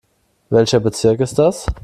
Welcher Bezirk ist das?